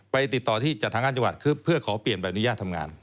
ติดต่อที่จัดหางานจังหวัดคือเพื่อขอเปลี่ยนใบอนุญาตทำงาน